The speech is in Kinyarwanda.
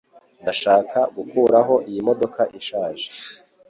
Ndashaka gukuraho iyi modoka ishaje